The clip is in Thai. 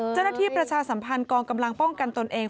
ประชาสัมพันธ์กองกำลังป้องกันตนเอง